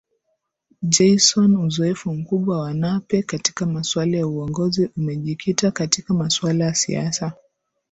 JaysonUzoefu mkubwa wa Nape katika masuala ya Uongozi umejikita katika masuala ya siasa